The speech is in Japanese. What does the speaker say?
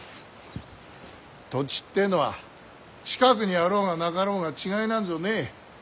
土地ってのは近くにあろうがなかろうが違いなんぞねえ。